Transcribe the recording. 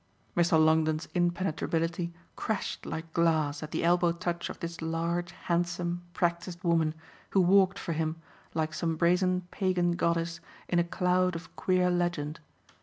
Mr. Longdon's impenetrability crashed like glass at the elbow touch of this large handsome practised woman, who walked for him, like some brazen pagan goddess, in a cloud of queer legend.